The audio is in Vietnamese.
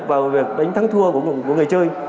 vào việc đánh thắng thua của người chơi